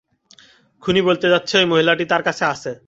খুনি বলতে চাচ্ছে, ওই মহিলাটি তার কাছে আছে।